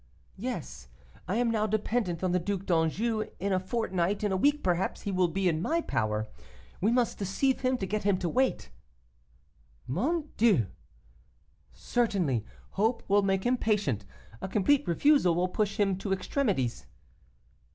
'Yes, I am now dependent on the Duc d'Anjou; in a fortnight, in a week perhaps, he will be in my power. We must deceive him to get him to wait.' 'Mon Dieu!' 'Certainly; hope will make him patient. A complete refusal will push him to extremities.